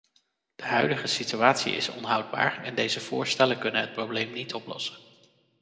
De huidige situatie is onhoudbaar en deze voorstellen kunnen het probleem niet oplossen.